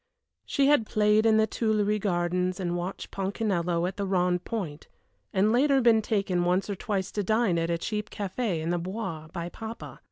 She had played in the Tuilleries Gardens and watched Ponchinello at the Rond Point, and later been taken once or twice to dine at a cheap café in the Bois by papa.